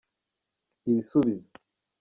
ibisubizo.